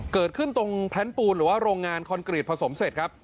เกิดขึ้นตรงแพลนปูนหรือว่าโรงงานคอนกรีตผสมเสร็จครับ